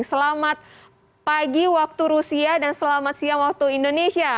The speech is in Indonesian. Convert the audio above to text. selamat pagi waktu rusia dan selamat siang waktu indonesia